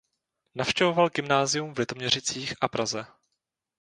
Navštěvoval gymnázium v Litoměřicích a Praze.